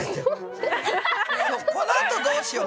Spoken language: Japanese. このあとどうしよう。